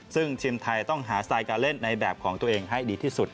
ซึ่งทีมไทยต้องหาสไตล์การเล่นในแบบของตัวเองให้ดีที่สุด